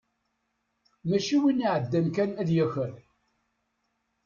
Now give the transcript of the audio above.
Mačči win iɛeddan kan ad yaker.